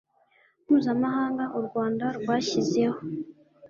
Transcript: mpuzamahanga u rwanda rwashyizeho